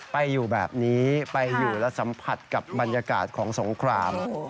ไปอยู่แบบนี้ไปอยู่และสัมผัสกับบรรยากาศของสงคราม